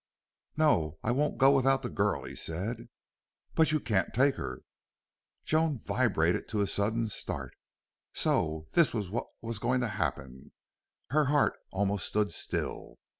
"No, I won't go without the girl," he said. "But you can't take her!" Joan vibrated to a sudden start. So this was what was going to happen. Her heart almost stood still.